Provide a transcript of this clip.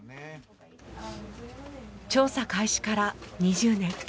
調査開始から２０年。